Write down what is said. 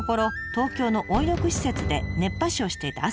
東京の温浴施設で熱波師をしていた明日香さん。